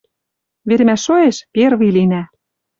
Веремӓ шоэш — первый линӓ